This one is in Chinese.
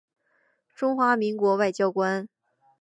中华民国外交官。